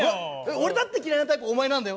俺だって嫌いなタイプお前なんだよ。